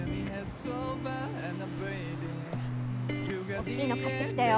おっきいの買ってきたよ。